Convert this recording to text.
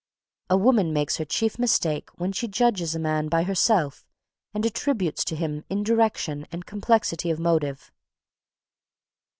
A woman makes her chief mistake when she judges a man by herself and attributes to him indirection and complexity of motive.